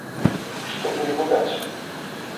Что бы ему дать?